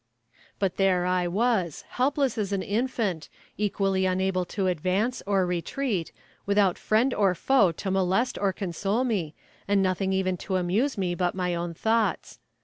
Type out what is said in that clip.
But there I was, helpless as an infant, equally unable to advance or retreat, without friend or foe to molest or console me, and nothing even to amuse me but my own thoughts.